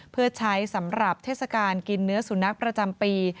เพื่อใช้สำหรับเทศกาลกินเนื้อสุนัขประจำปี